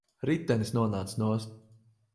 Ritenis nonāca nost.